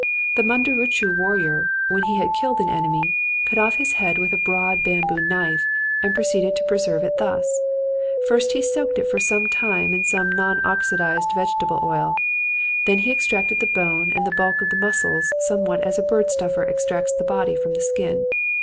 The Mundurucú warrior, when he had killed an enemy, cut off his head with a broad bamboo knife and proceeded to preserve it thus: First he soaked it for a time in some non oxidizable vegetable oil; then he extracted the bone and the bulk of the muscles somewhat as a bird stuffer extracts the body from the skin.